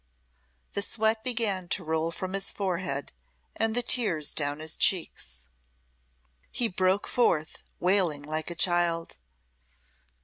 The sweat began to roll from his forehead, and the tears down his cheeks. He broke forth, wailing like a child.